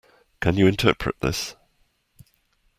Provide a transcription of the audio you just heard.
Can you interpret this?